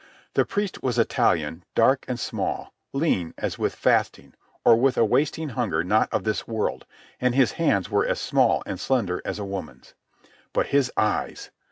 The priest was Italian, dark and small, lean as with fasting or with a wasting hunger not of this world, and his hands were as small and slender as a woman's. But his eyes!